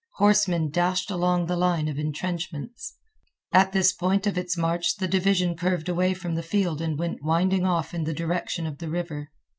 Horsemen dashed along the line of intrenchments. At this point of its march the division curved away from the field and went winding off in the direction of the river.